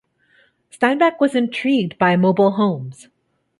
Steinbeck was intrigued by mobile homes.